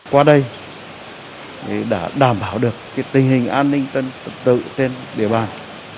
qua đây đã đảm bảo được tình hình an ninh trật tự trên địa bàn